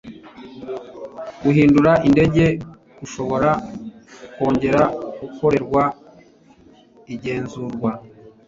guhindura indege ushobora kongera gukorerwa igenzurwa